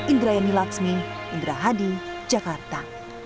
indra yani laksmi indra hadi jakarta